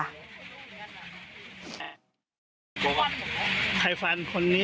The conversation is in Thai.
โดนพี่นิ้วเหรอพี่